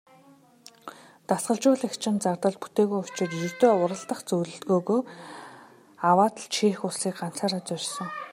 Дасгалжуулагчийнх нь зардал бүтээгүй учир ердөө уралдах зөвлөгөөгөө аваад л Чех улсыг ганцаараа зорьсон.